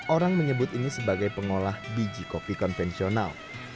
orang menyebut ini sebagai pengolah biji kopi konvensional